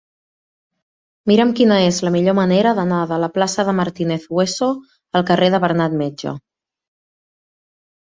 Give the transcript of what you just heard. Mira'm quina és la millor manera d'anar de la plaça de Martínez Hueso al carrer de Bernat Metge.